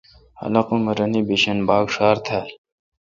خلق ام اے رنے بھیشن بھاگ ڄھار تھال۔